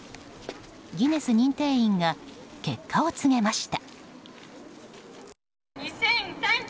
ギネス認定員が結果を告げました。